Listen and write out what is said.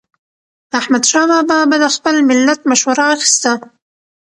احمدشاه بابا به د خپل ملت مشوره اخیسته.